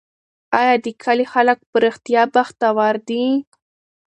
آیا د کلي خلک په رښتیا بختور دي؟